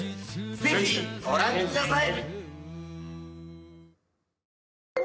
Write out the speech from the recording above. ぜひご覧ください！